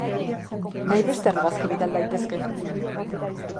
Nahi beste argazki bidal daitezke.